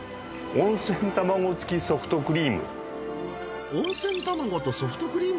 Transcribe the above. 温泉たまご付きソフトクリーム。